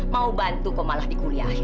mau bantu kau malah dikuliahin